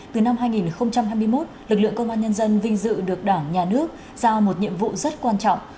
từ năm hai nghìn hai mươi một lực lượng công an nhân dân vinh dự được đảng nhà nước giao một nhiệm vụ rất quan trọng